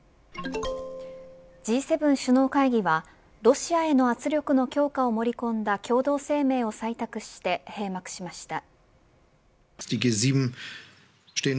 Ｇ７首脳会議はロシアへの圧力の強化を盛り込んだ共同声明を採択して閉幕しました。